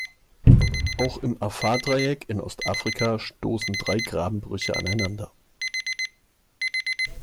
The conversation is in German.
Auch im Afar-Dreieck in Ostafrika stoßen drei Grabenbrüche aneinander.